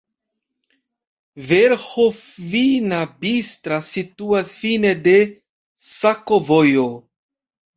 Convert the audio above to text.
Verĥovina-Bistra situas fine de sakovojo.